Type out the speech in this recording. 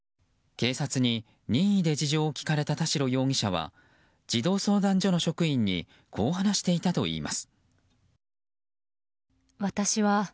警察に任意で事情を聴かれた田代容疑者は児童相談所の職員にこう話していたといいます。